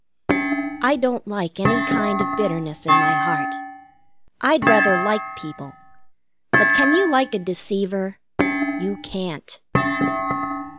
I don't like any kind of bitterness in my heart. I'd rather like people. But can you like a deceiver? You can't.